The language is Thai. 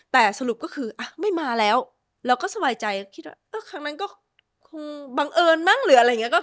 แต่สรุปก็คือไม่มาแล้วเราก็สบายใจคิดว่าเออครั้งนั้นก็คงบังเอิญมั้งหรืออะไรอย่างนี้